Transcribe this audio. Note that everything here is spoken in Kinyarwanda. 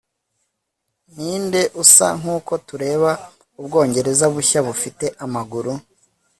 ninde usa nkuko tureba, ubwongereza bushya bufite amaguru